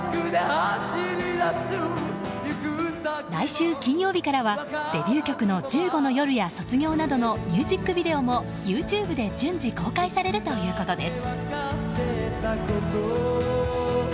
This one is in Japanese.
来週金曜日からはデビュー曲の「１５の夜」や「卒業」などのミュージックビデオもＹｏｕＴｕｂｅで順次公開されるということです。